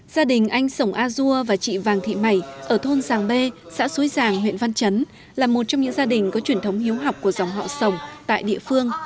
gia đình anh sổng a dua và chị vàng thị mày ở thôn giàng bê xã xuối giàng huyện văn chấn là một trong những gia đình có truyền thống hiếu học của dòng họ sổng tại địa phương